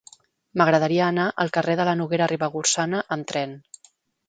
M'agradaria anar al carrer de la Noguera Ribagorçana amb tren.